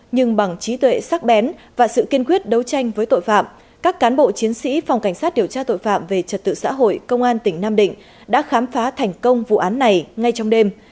nhưng bằng trí tuệ sắc bén và sự kiên quyết đấu tranh với tội phạm các cán bộ chiến sĩ phòng cảnh sát điều tra tội phạm về trật tự xã hội công an tỉnh nam định đã khám phá thành công vụ án này ngay trong đêm